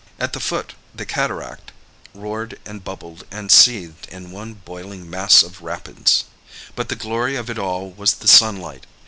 At the foot the cataract roared and bubbled and seethed in one boiling mass of rapids. But the glory of it all was the sunlight.